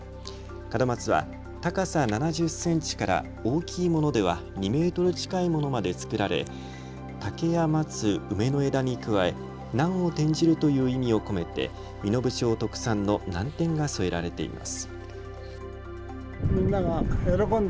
門松は高さ７０センチから大きいものでは２メートル近いものまで作られ竹や松、梅の枝に加え難を転じるという意味を込めて身延町特産の南天が添えられています。